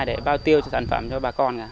để bao tiêu cho sản phẩm cho bà con